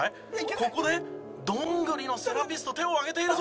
ここでどんぐりのセラピスト手を挙げているぞ！